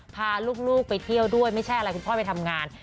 พาลูกไปเที่ยวด้วยไม่ใช่อะไรคุณพ่อไปทำงาน